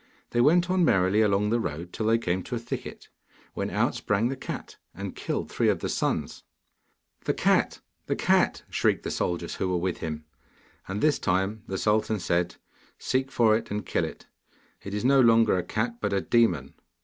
They went on merrily along the road, till they came to a thicket, when out sprang the cat, and killed three of the sons. 'The cat! The cat!' shrieked the soldiers who were with him. And this time the sultan said: 'Seek for it and kill it. It is no longer a cat, but a demon!